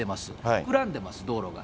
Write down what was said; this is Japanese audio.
膨らんでます、道路が。